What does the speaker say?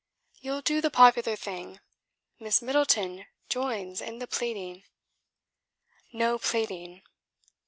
You'll do the popular thing. Miss Middleton joins in the pleading." "No pleading!"